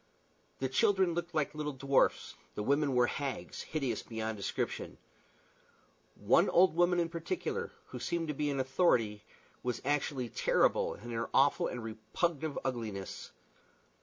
The children looked like little dwarfs; the women were hags, hideous beyond description. One old woman in particular, who seemed to be in authority, was actually terrible in her awful and repulsive ugliness.